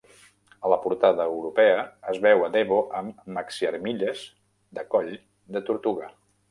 A la portada europea, es veu a Devo amb maxiarmilles de coll de tortuga.